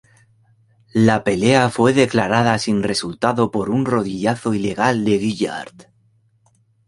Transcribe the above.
La pelea fue declarada sin resultado por un rodillazo ilegal de Guillard.